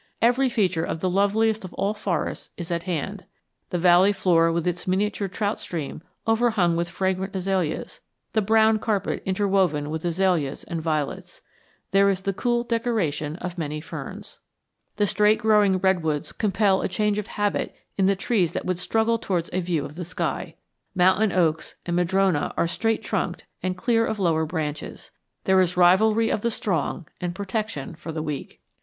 Every feature of the loveliest of all forests is at hand: the valley floor with its miniature trout stream overhung with fragrant azaleas; the brown carpet interwoven with azaleas and violets. There is the cool decoration of many ferns. [Illustration: From a photograph by Tibbitts CATHEDRAL ISLE OF THE MUIR WOODS] The straight growing redwoods compel a change of habit in the trees that would struggle toward a view of the sky. Mountain oaks and madrona are straight trunked and clear of lower branches. There is rivalry of the strong and protection for the weak.